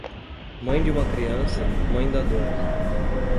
Mãe de uma criança, mãe da dor.